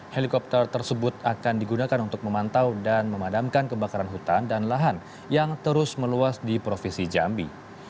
helikopter tersebut akan digunakan untuk memantau dan memadamkan kebakaran hutan dan lahan yang terus meluas di provinsi jambi